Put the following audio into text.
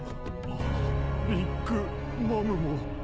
ビッグ・マムも。